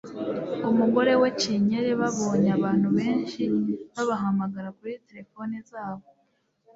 umugore we chinyere babonye abantu benshi babahamagara kuri telefoni zabo